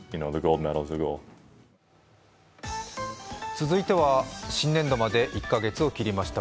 続いては、新年度まで１か月を切りました。